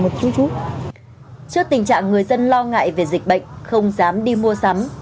trước tình trạng người dân lo ngại về dịch bệnh không dám đi mua sắm